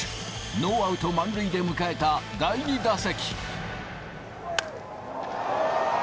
ノーアウト満塁で迎えた第２打席。